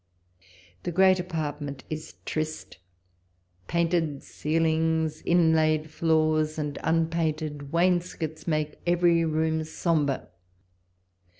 The great apart ment is first ; painted ceilings, inlaid floors, and unpainted wainscots make every room sombre.